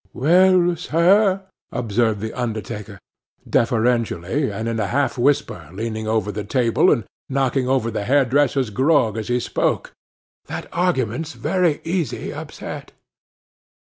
'Well, sir,' observed the undertaker, deferentially, and in a half whisper, leaning over the table, and knocking over the hairdresser's grog as he spoke, 'that argument's very easy upset.